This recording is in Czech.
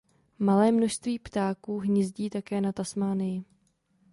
Malé množství ptáků hnízdí také na Tasmánii.